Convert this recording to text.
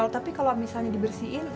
tapi kalau misalnya dibersihin